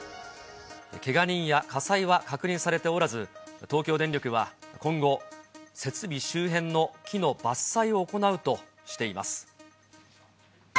けが人や火災は確認されておらず、東京電力は今後、設備周辺の木の伐採を行うとしています。